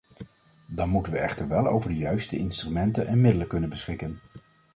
Dan moeten we echter wel over de juiste instrumenten en middelen kunnen beschikken.